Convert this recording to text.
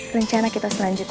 rencana kita selanjutnya